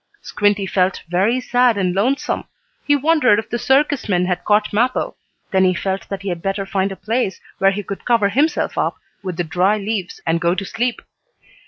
Squinty felt very sad and lonesome. He wondered if the circus men had caught Mappo. Then he felt that he had better find a place where he could cover himself up with the dry leaves, and go to sleep.